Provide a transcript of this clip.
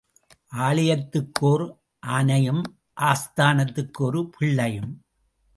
ஆலயத்துக்கு ஓர் ஆனையும் ஆஸ்தானத்துக்கு ஒரு பிள்ளையும்.